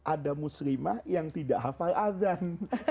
ada muslimah yang tidak hafal azan